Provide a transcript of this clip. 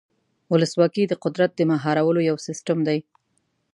ولسواکي د قدرت د مهارولو یو سیستم دی.